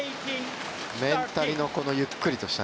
メンタリの、このゆっくりとした。